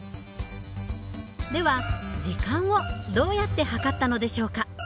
では時間をどうやって計ったのでしょうか？